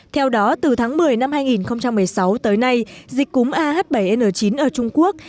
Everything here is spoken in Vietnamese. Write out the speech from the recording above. theo đó từ tháng một mươi năm hai nghìn một mươi sáu tới nay dịch cúm ah bảy n chín ở trung quốc